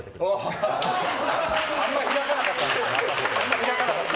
あんま開かなかったな。